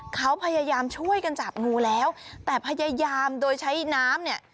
เขาพยายามช่วยกันจับงูแล้วแต่พยายามโดยใช้น้ำเนี่ย